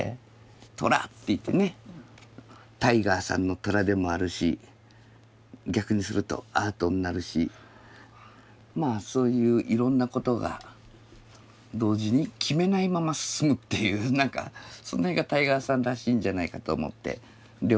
「ＴＲＡ」っていってねタイガーさんの「ＴＲＡ」でもあるし逆にすると「ＡＲＴ」になるしまあそういういろんなことが同時に決めないまま進むっていう何かそのへんがタイガーさんらしいんじゃないかと思って両表紙になってます。